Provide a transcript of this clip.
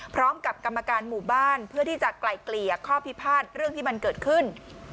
พร้อมกับกรรมการหมู่บ้านเพื่อที่จะไกลเกลี่ยข้อพิพาทเรื่องที่มันเกิดขึ้น